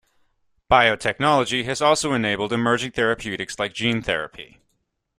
Biotechnology has also enabled emerging therapeutics like gene therapy.